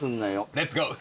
レッツゴー。